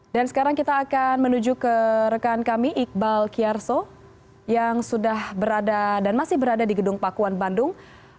dan sekarang kita akan menuju ke rekan kami iqbal kiarso yang sudah berada dan masih berada di gedung pakuan bandung